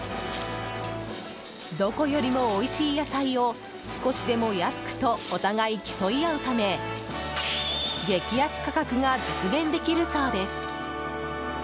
どこよりも、おいしい野菜を少しでも安くとお互い競い合うため激安価格が実現できるそうです。